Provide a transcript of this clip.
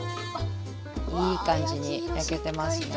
いい感じに焼けてますね。